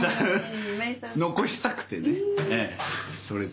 残したくてねそれで。